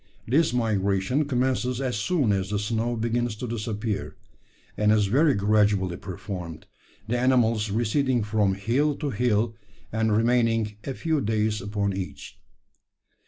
This migration commences as soon as the snow begins to disappear; and is very gradually performed the animals receding from hill to hill, and remaining a few days upon each.